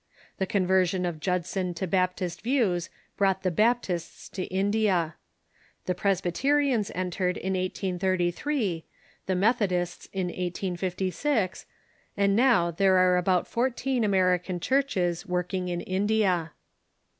The conversion of Judson to Baptist views brought the Baptists to India. The Presbyterians entered in 1833, the Methodists in 1856, and now there are about fourteen Ameri can churches working in India.